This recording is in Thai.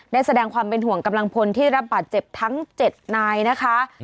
ได้แสดงความเป็นห่วงกำลังพลที่รับบาดเจ็บทั้ง๗นายนะคะ